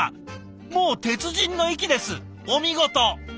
もう鉄人の域ですお見事！